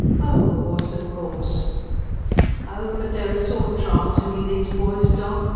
"Of course, of course." "Oh! but they're a sore trial to me, these boys, doc.